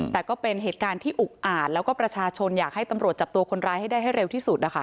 แต่ก็เป็นเหตุการณ์ที่อุกอาจแล้วก็ประชาชนอยากให้ตำรวจจับตัวคนร้ายให้ได้ให้เร็วที่สุดนะคะ